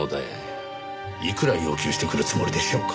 いくら要求してくるつもりでしょうか？